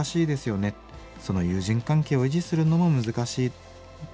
その友人関係を維持するのも難しい」みたいな形。